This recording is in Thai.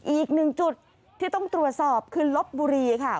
อีกหนึ่งจุดที่ต้องตรวจสอบคือลบบุรีค่ะ